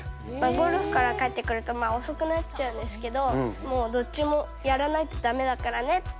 ゴルフから帰ってくると遅くなっちゃうんですけど、もうどっちもやらないとだめだからねって。